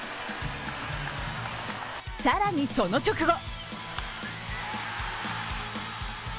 更に、その直後。